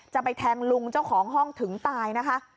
จะไปแทงลุงเจ้าของห้องถึงตายนะคะ